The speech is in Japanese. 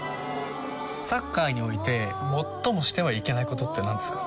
サッカーにおいて最もしてはいけないことって何ですか？